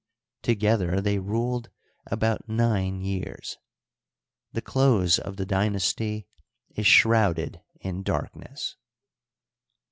Together they ruled about nine years. The close of the dynasty is shrouded In darkness.